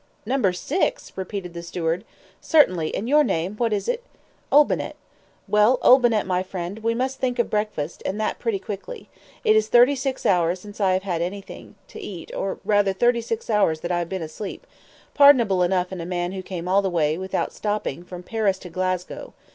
"Number 6!" repeated the steward. "Certainly; and your name, what is it?" "Olbinett." "Well, Olbinett, my friend, we must think of breakfast, and that pretty quickly. It is thirty six hours since I have had anything to eat, or rather thirty six hours that I have been asleep pardonable enough in a man who came all the way, without stopping, from Paris to Glasgow.